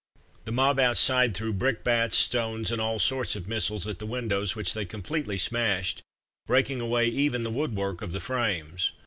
The mob outside threw brick bats, stones, and all sorts of missiles at the windows, which they completely smashed, breaking away even the woodwork of the frames.